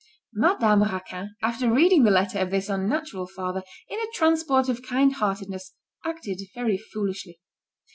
Madame Raquin, after reading the letter of this unnatural father, in a transport of kind heartedness, acted very foolishly.